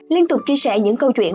liên tục chia sẻ những câu chuyện